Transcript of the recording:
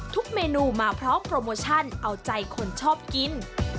เมนูมาพร้อมโปรโมชั่นเอาใจคนชอบกิน